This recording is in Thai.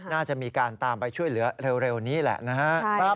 น่าจะมีการตามไปช่วยเหลือเร็วนี้แหละนะครับ